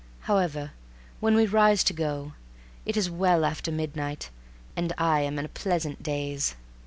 However, when we rise to go, it is well after midnight, and I am in a pleasant daze.